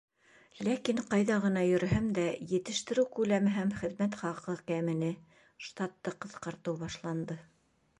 Ләкин ҡайҙа ғына йөрөһәм дә, Етештереү күләме һәм хеҙмәт хаҡы кәмене, штатты ҡыҫҡартыу башланды.